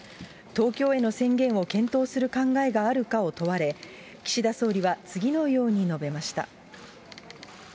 東京への宣言を検討する考えがあるかを問われ、岸田総理は、次のように述べました。